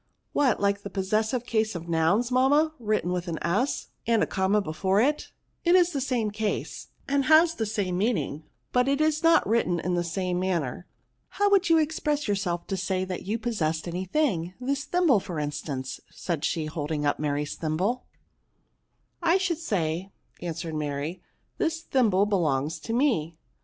PRONOUNS. 167 " What, like the possessive case of nouns, mamma, written with an j, and a comma be fore it?" '^ It is the same case, and has the same meaning, but it is not written in the same manner. How would you express yourself, to say, that you possessed any thing ; this thimble, for instance," said she, holding up Mary's thimble?" I should say," answered Mary, " this thimble belongs to me."